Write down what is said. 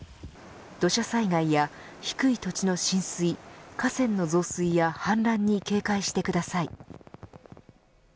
土砂災害や低い土地の浸水河川の増水やはん濫に警戒してください。